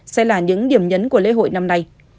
sẽ là những điểm nhấn của lễ hội năm nay